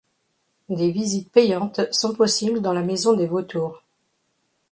Des visites payantes sont possibles dans la Maison des vautours.